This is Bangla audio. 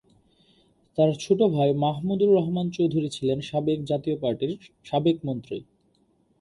তার ছোট ভাই মাহমুদুর রহমান চৌধুরী ছিলেন সাবেক জাতীয় পার্টির সাবেক মন্ত্রী।